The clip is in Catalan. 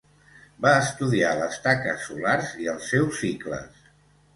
Va estudiar les taques solars i els seus cicles.